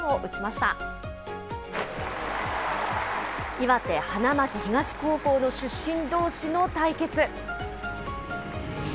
岩手・花巻東高校の出身どうしの対決。